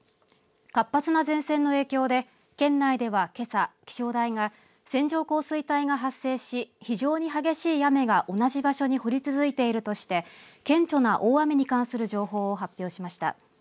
活発な前線の影響で県内ではけさ気象台が線状降水帯が発生し非常に激しい雨が同じ場所に降り続いているとして顕著な大雨に関する情報を発表しました。